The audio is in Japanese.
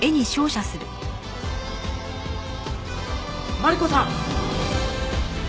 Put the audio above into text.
マリコさん！